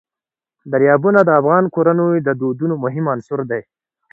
دریابونه د افغان کورنیو د دودونو مهم عنصر دی.